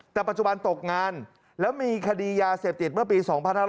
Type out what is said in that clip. แต่ปัจจุบันตกงานแล้วมีคดียาเสพติดเมื่อปี๒๕๕๙